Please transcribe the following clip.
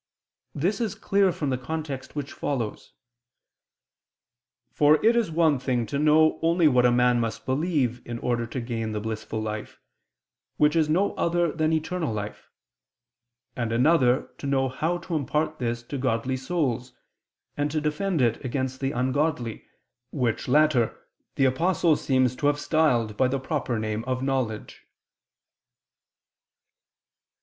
This is clear from the context which follows: "For it is one thing to know only what a man must believe in order to gain the blissful life, which is no other than eternal life; and another, to know how to impart this to godly souls, and to defend it against the ungodly, which latter the Apostle seems to have styled by the proper name of knowledge."